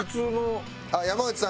山内さん